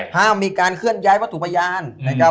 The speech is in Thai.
ห้ามมีการเคลื่อนย้ายว่าถูกพยาน